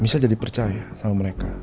bisa jadi percaya sama mereka